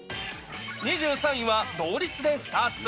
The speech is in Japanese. ２３位は同率で２つ。